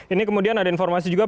ini kemudian ada informasi juga